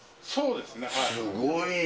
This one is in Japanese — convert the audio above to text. そうです。